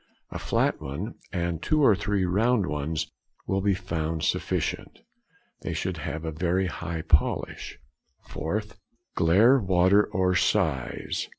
A flat one, and two or three round ones, will be found sufficient. They should have a very high polish. _4th. Glaire Water or Size.